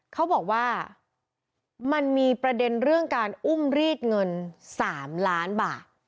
เขาบอกว่ามันมีประเด็นเรื่องการอุ้มรีดเงิน๓ล้านบาท